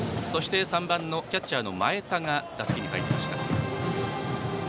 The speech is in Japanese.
３番のキャッチャーの前田が打席に入りました。